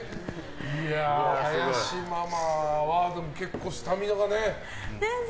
林ママは結構スタミナがね。